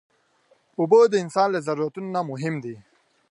اوبه د انسان له ضرورتونو نه مهم دي.